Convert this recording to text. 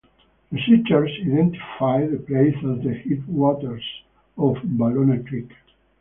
Researchers identified the place as the headwaters of Ballona Creek.